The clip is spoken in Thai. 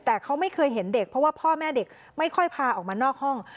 แต่เขาไม่เคยเห็นเด็กเพราะว่าพ่อแม่เด็กไม่ค่อยพาออกมานอกห้อง